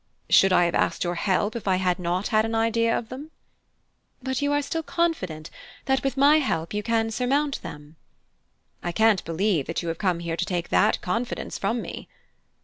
"Should I have asked your help if I had not had an idea of them?" "But you are still confident that with my help you can surmount them?" "I can't believe you have come here to take that confidence from me?"